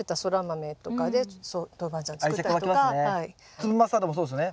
粒マスタードもそうですね？